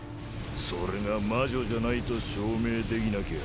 それが魔女じゃないと証明できなきゃ